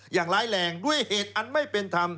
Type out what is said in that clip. อย่างร้ายแรงด้วยเหตุอันไม่เป็นธรรม